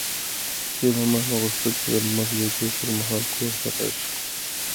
هغې له ما نه وغوښتل چې د لمر لوېدو پر مهال کور ته راشه.